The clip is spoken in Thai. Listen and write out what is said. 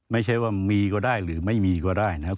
ไม่ใช่ว่ามีก็ได้หรือไม่มีก็ได้นะครับ